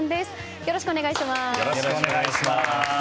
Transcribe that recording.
よろしくお願いします。